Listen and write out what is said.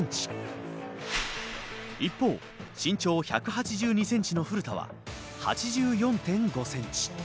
一方身長１８２ｃｍの古田は８４．５ｃｍ。